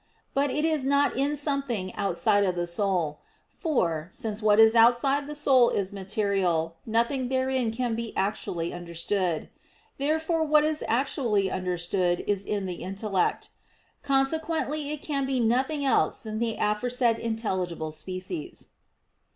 But it is not in something outside the soul: for, since what is outside the soul is material, nothing therein can be actually understood. Therefore what is actually understood is in the intellect. Consequently it can be nothing else than the aforesaid intelligible species.